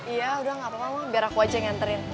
iya udah gak apa apa bang biar aku aja nganterin